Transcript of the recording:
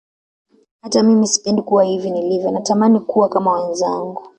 Hata mimi sipendi kuwa hivi nilivyo natamani kuwa kama wenzangu